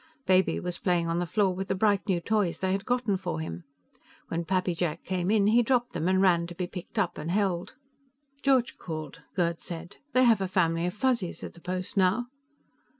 Baby was playing on the floor with the bright new toys they had gotten for him. When Pappy Jack came in, he dropped them and ran to be picked up and held. "George called," Gerd said. "They have a family of Fuzzies at the post now."